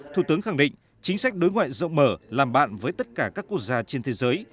thủ tướng khẳng định chính sách đối ngoại rộng mở làm bạn với tất cả các quốc gia trên thế giới